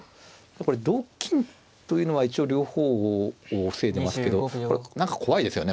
これ同金というのは一応両方を防いでますけど何か怖いですよね